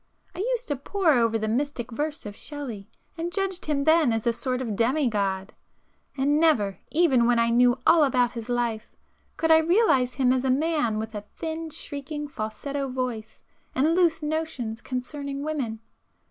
I used to pore over the mystic verse of Shelley, and judged him then as a sort of demi god;—and never, even when I knew all about his life, could I realize him as a man with a thin, shrieking falsetto voice and 'loose' notions concerning women.